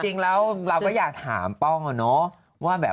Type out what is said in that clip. จริงแล้วเราก็อยากถามป้องนะ